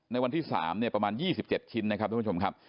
วันที่๓ประมาณ๒๗ชิ้นนะครับทุกผู้ชมครับ